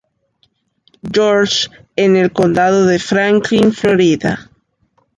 George en el condado de Franklin, Florida.